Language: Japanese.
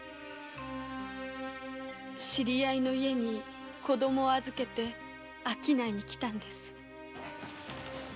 知り合いの家に子供を預けて商いにきたんです。